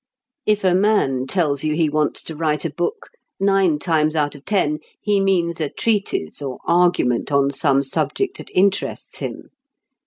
If a man tells you he wants to write a book, nine times out of ten he means a treatise or argument on some subject that interests him.